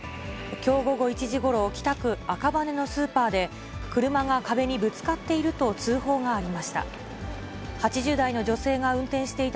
きょう午後１時ごろ、北区赤羽のスーパーで、車が壁にぶつかっていると通報がありました。